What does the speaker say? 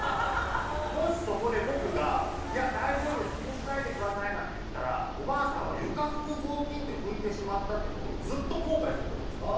もしそこで僕が「いや大丈夫です」「気にしないでください」なんて言ったらおばあさんは床拭く雑巾で拭いてしまったって事をずっと後悔すると思うんですよ。